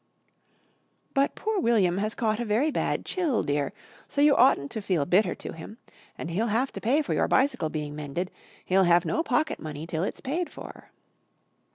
"But poor William has caught a very bad chill, dear, so you oughtn't to feel bitter to him. And he'll have to pay for your bicycle being mended. He'll have no pocket money till it's paid for."